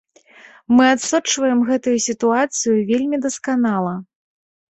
Мы адсочваем гэтую сітуацыю вельмі дасканала.